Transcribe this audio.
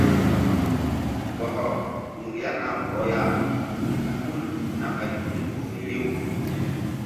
Kɔkɔ tu ŋgerna bɔh ya hul na ɓay tul nzukri riw.